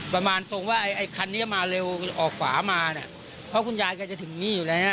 ประมาณส่งว่าไอ้คันนี้มาเร็วออกขวามานะเพราะว่าคุณยายกันจะถึงนี่อยู่เลย